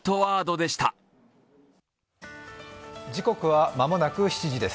時刻は間もなく７時です。